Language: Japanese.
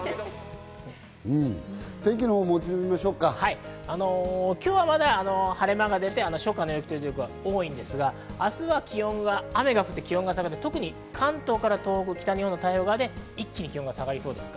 お天気ですが今日はまだ晴れ間が出て初夏の陽気のところが多いですが、明日は気温が、雨が降って下がるんで関東から東北、北日本の太平洋側で一気に下がりそうです。